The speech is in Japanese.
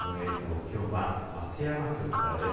きょうは松山局からです。